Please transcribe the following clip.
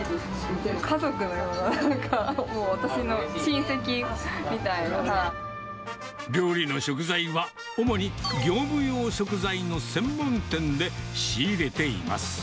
家族のような、なんか、もう、料理の食材は、主に業務用食材の専門店で仕入れています。